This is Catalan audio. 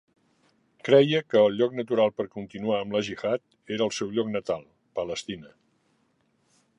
Creia que el lloc natural per continuar amb el jihad era el seu lloc natal: Palestina.